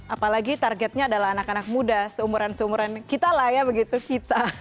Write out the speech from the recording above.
apalagi targetnya adalah anak anak muda seumuran seumuran kita lah ya begitu kita